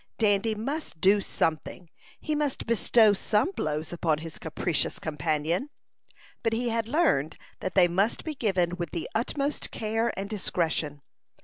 Dandy must do some thing; he must bestow some blows upon his capricious companion, but he had learned that they must be given with the utmost care and discretion.